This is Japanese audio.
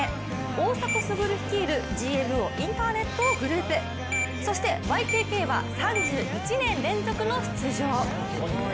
大迫傑率いるＧＭＯインターネットグループ、そしてＹＫＫは３１年連続の出場。